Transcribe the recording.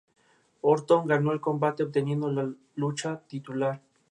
Orton ganó el combate, obteniendo la lucha titular.